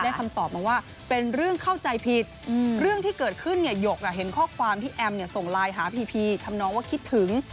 คำตอบมาว่าเป็นเรื่องเข้าใจผิดเรื่องที่เกิดขึ้นเนี่ยหยกเห็นข้อความที่แอมส่งไลน์หาพีพีทำน้องว่าคิดถึง